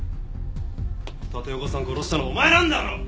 立岡さん殺したのお前なんだろ？